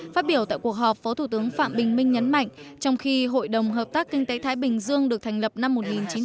phát biểu tại cuộc họp phó thủ tướng phạm bình minh nhấn mạnh trong khi hội đồng hợp tác kinh tế thái bình dương được thành lập năm một nghìn chín trăm tám mươi hai